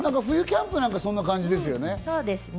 冬キャンプなんかそんな感じですよね。